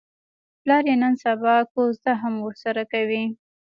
پلار یې نن سبا کوزده هم ورسره کوي.